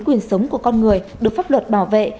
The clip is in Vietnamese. quyền sống của con người được pháp luật bảo vệ